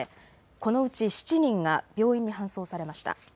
このうち７人が病院に搬送されました。